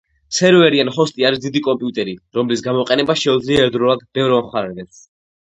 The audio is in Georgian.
სერვერი ან ჰოსტი არის დიდი კომპიუტერი, რომლის გამოყენება შეუძლია ერთდროულად ბევრ მომხმარებელს.